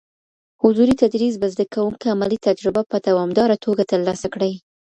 حضوري تدريس به زده کوونکي عملي تجربه په دوامداره توګه ترلاسه کړي.